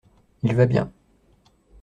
Il va bien.